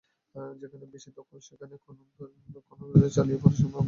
যেখানে বেশি দখল, সেখানে খননযন্ত্র চালিয়ে ছড়ার সীমানা বের করা হবে।